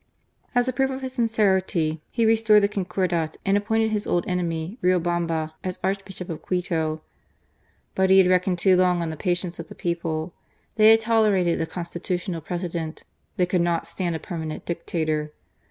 As a proof of his sincerity he restored the Concordat. and appointed his old enemy, Riobamba, as Arch bishop of Quito. But he had reckoned too long on the patience of the people. They had tolerated a Constitutional President ; they could not stand a permanent Dictator.